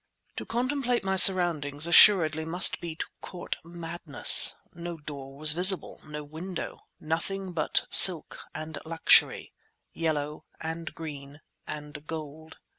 To contemplate my surroundings assuredly must be to court madness. No door was visible, no window; nothing but silk and luxury, yellow and green and gold.